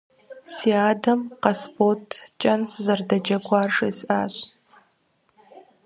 Си адэм Къасбот кӀэн сызэрыдэджэгуар жесӀащ.